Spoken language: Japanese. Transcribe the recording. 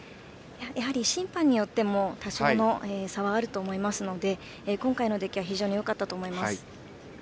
やはり審判によっても多少の差はあると思いますので今回の出来は非常によかったと思います。